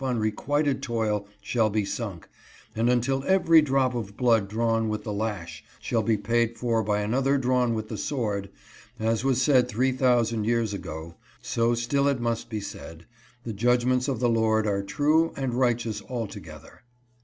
unrequited toil shall be sunk, and until every drop of blood drawn with the lash shall be paid for by another drawn with the sword, as was said three thousand years ago, so still it must be said, ' The judgments of the Lord are true and righteous altogether.'